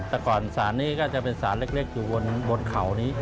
แต่ก่อนศาลนี้ก็จะเป็นสารเล็กอยู่บนเขานี้